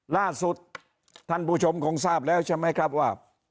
ล่าสุดท่านผู้ชมคงทราบแล้วใช่ไหมครับว่า